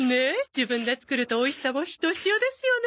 自分で作るとおいしさもひとしおですよね。